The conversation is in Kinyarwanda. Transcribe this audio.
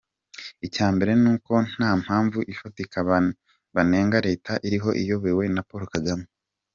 Icyambere n’uko ntampamvu ifatika banenga Leta iriho iyobowe na Paul Kagame.